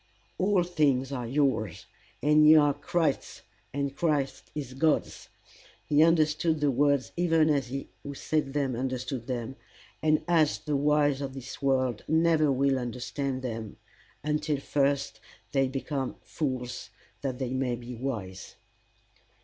"All things are yours, and ye are Christ's, and Christ is God's:" he understood the words even as he who said them understood them, and as the wise of this world never will understand them until first they become fools that they may be wise.